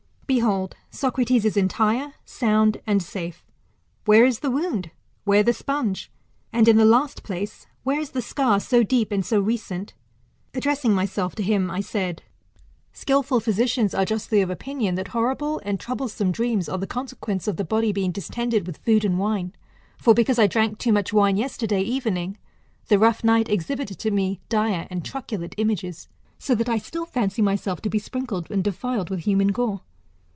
Behold, Socrates is entire, sound, and safe. Where is the wound ? ^whece the sponge ? and, in the last place^ where is the scar, so deep and so recent? Addressing myself also to him, I said, Skilful physicians are justly of opinion that horrible and troublesome dreams are the consequence of the body being distended with food and wine ; for, because I drank too much wine yesterday evening, the rough night exhibited to me dire and truculent images, so that 1 still fancy myself to be sprinkled and defiled with human gore.